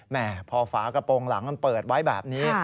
แม่พอฝากระโปรงหลังมันเปิดไว้แบบนี้